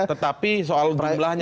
tetapi soal jumlahnya